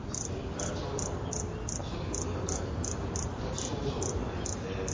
大腸がんの初期の段階というのは全く症状がないので。